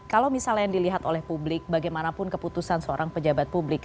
kalau misalnya yang dilihat oleh publik bagaimanapun keputusan seorang pejabat publik